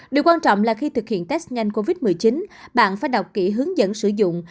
điều quan trọng là khi thực hiện test nhanh covid một mươi chín bạn phải đọc kỹ hướng dẫn sử dụng